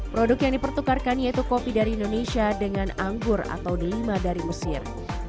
produk yang dipertukarkan yaitu kopi dari indonesia dengan anggur atau delima dari mesir